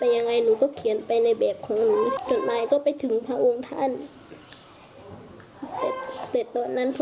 แล้วก็ส่งให้นุเรียนให้ค่าเทอมนุทุกเทอม